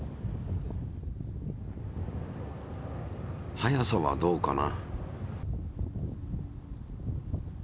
速さはどうかな？